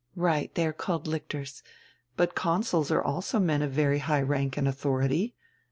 "Right, they are called lictors. But consuls are also men of very high rank and authority.